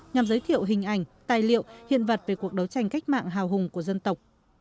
nhằm giới thiệu hình ảnh tài liệu hiện vật về cuộc đấu tranh cách mạng hào hùng của dân tộc